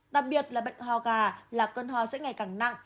đặc biệt là bệnh hoa gà là cơn hoa sẽ ngày càng nặng